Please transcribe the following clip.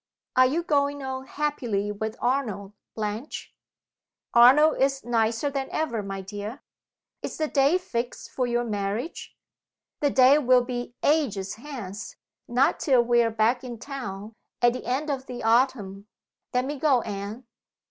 "Are you going on happily with Arnold, Blanche?" "Arnold is nicer than ever, my dear." "Is the day fixed for your marriage?" "The day will be ages hence. Not till we are back in town, at the end of the autumn. Let me go, Anne!"